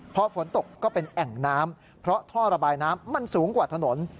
พอฝนตกก็เป็นแอ่งน้ำเพราะท่อระบายน้ำมันสูงกว่าถนน